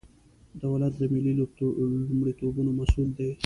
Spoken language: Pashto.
دولت د ملي لومړیتوبونو مسئول دی.